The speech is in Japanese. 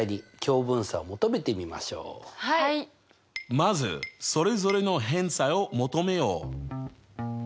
まずそれぞれの偏差を求めよう！